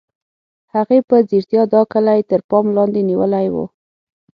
هغې په ځیرتیا دا کلی تر پام لاندې نیولی و